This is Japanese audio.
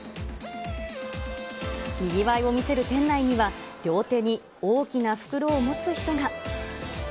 にぎわいを見せる店内には、両手に大きな袋を持つ人が。